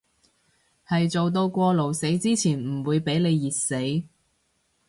喺做到過勞死之前唔會畀你熱死